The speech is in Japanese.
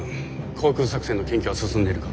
航空作戦の研究は進んでいるか？